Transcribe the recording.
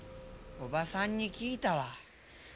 おばさんに聞いたわ。